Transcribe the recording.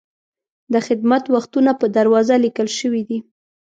د خدمت وختونه په دروازه لیکل شوي دي.